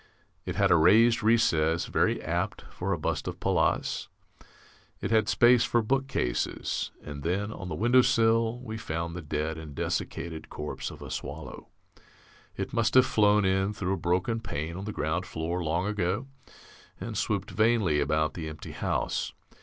It had a raised recess, very apt for a bust of Pallas. It had space for bookcases. And then, on the windowsill, we found the dead and desiccated corpse of a swallow. It must have flown in through a broken pane on the ground floor long ago and swooped vainly about the empty house.